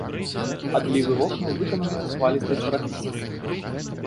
Адлівы вокнаў выкананыя з хвалістай чарапіцы.